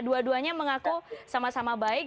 dua duanya mengaku sama sama baik